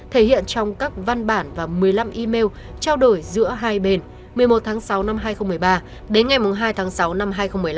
thể hiện trong các văn bản và một mươi năm email trao đổi giữa hai bên một mươi một tháng sáu năm hai nghìn một mươi ba đến ngày hai tháng sáu năm hai nghìn một mươi năm